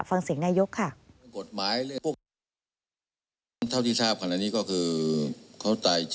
ฟังเสียงนายกค่ะ